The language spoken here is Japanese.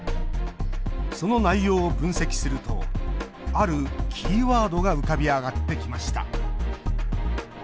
その内容を分析するとあるキーワードが浮かび上がってきました。